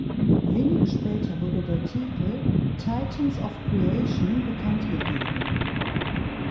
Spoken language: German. Wenig später wurde der Titel "Titans of Creation" bekanntgegeben.